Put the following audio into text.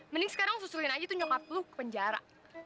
mending sekarang susulin aja tuh nyokap lo ke penjara